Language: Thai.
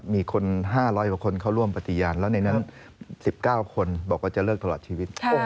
มีคน๕๐๐กว่าคนเข้าร่วมปฏิญาณแล้วในนั้น๑๙คนบอกว่าจะเลิกตลอดชีวิต